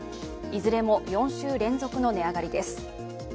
いずれも４週連続の値上がりです。